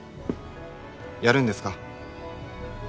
やるんですか。